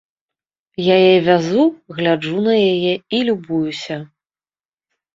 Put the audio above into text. Я яе вязу, гляджу на яе і любуюся.